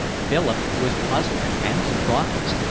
Philip was puzzled and surprised.